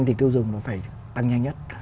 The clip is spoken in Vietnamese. thì tiêu dùng nó phải tăng nhanh nhất